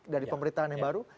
dari pemerintahan yang baru